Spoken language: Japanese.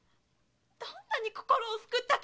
どんなに心を救ったか！